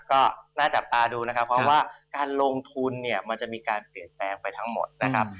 ก็น่าจับตาดูนะครับเพราะว่าการลงทุนเนี่ยมันจะมีการเปลี่ยนแปลงไปทั้งหมดนะครับ